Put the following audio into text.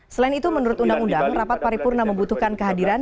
selain itu menurut undang undang rapat paripurna membutuhkan kehadiran